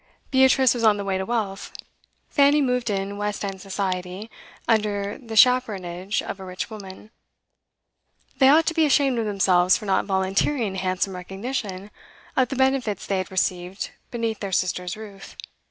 Beatrice was on the way to wealth; Fanny moved in West End society, under the chaperonage of a rich woman; they ought to be ashamed of themselves for not volunteering handsome recognition of the benefits they had received beneath their sister's roof.